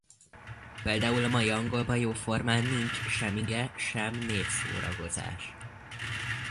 Például a mai angolban jóformán nincs sem ige- sem névszóragozás.